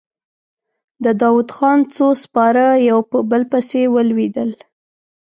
د داوودخان څو سپاره يو په بل پسې ولوېدل.